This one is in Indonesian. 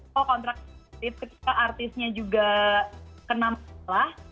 kalau kontraktif ketika artisnya juga kena masalah